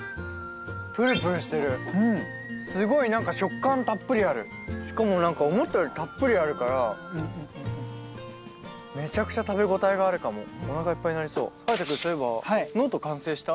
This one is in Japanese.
ぷるぷるしてるすごいなんか食感たっぷりあるしかもなんか思ったよりたっぷりあるからめちゃくちゃ食べ応えがあるかもおなかいっぱいになりそう颯くんそういえばノート完成した？